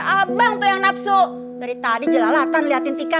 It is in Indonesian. abang tuh yang nafsu dari tadi jelalatan lihatin tika